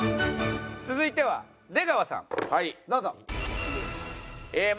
続いては出川さんどうぞ。